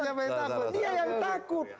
dia yang takut